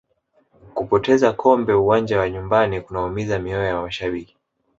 kupoteza kombe uwanja wa nyumbani kunaumiza mioyo ya mashabiki